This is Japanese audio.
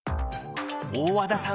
大和田さん